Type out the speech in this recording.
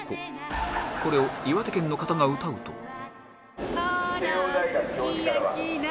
これを岩手県の方が歌うと